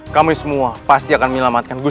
kami pasti akan menagihnya padamu